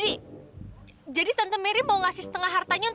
kain tuh ngapain sih aneh banget